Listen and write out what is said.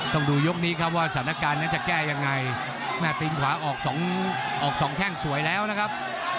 ต้องดูยกนี้ครับว่าสถานการณ์นั้นจะแก้ยังไงแม่ตีนขวาออกสองแข้งสวยแล้วนะครับ